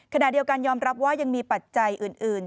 ขณะเดียวกันยอมรับว่ายังมีปัจจัยอื่น